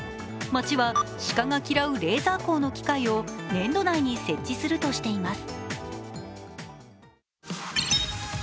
町は鹿が嫌うレーザー光の機械を年度内に設置するとしています。